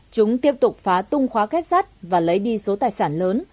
chúng tiếp tục phá tung khóa kết sắt và lấy đi số tài sản lớn